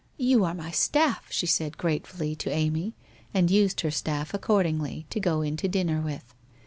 ' You are my staff,' she said gratefully to Amy and used her staff accordingly to go in to dinner with.